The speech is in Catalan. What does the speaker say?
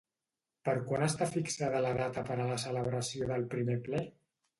Per quan està fixada la data per a la celebració del primer ple?